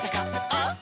「あっ！